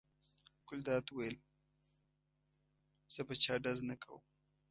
ګلداد وویل: زه په چا ډز نه کوم.